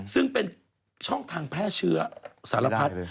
ซึ่งเป็นช่องทางแพร่เชื้อสารพัด